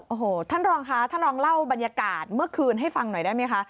โอ้โหท่านรองคะท่านลองเล่าบรรยากาศเมื่อคืนให้ฟังหน่อยได้ไหมคะ